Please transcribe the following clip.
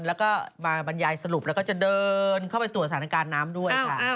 แล้วก็มาบรรยายสรุปแล้วก็จะเดินเข้าไปตรวจสถานการณ์น้ำด้วยค่ะ